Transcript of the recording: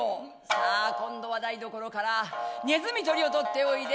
「さあ今度は台所からねずみとりを取っておいで。